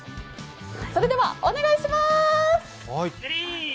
それではお願いします！